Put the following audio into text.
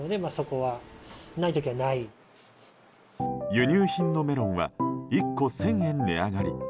輸入品のメロンは１個１０００円値上がり。